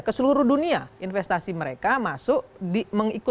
keseluruh dunia investasi mereka masuk